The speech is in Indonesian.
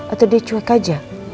atau dia cuek aja